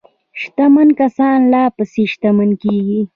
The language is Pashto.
شتمن کسان لا پسې شتمن کیږي.